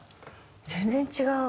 全然違う。